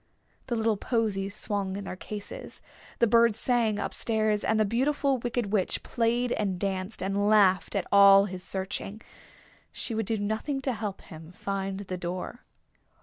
The little posies swung in their cases, the bird sang up stairs, and the Beautiful Wicked Witch played and danced, and laughed at all his searching. She would do nothing to help him find the door.